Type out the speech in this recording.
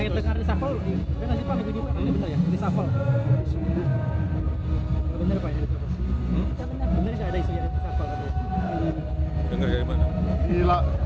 dengar dari mana